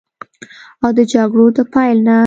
او د جګړو د پیل نه